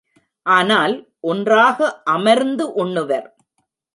ஆனால் ஒன்றாக அமர்ந்து உண்ணுவர்.